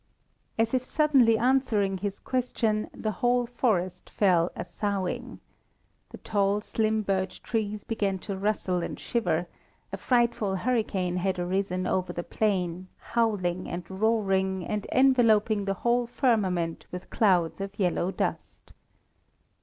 As if suddenly answering his question, the whole forest fell a soughing. The tall, slim birch trees began to rustle and shiver; a frightful hurricane had arisen over the plain, howling and roaring, and enveloping the whole firmament with clouds of yellow dust.